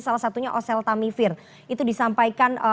salah satunya oseltamivir itu disampaikan